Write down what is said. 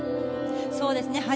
そうですね。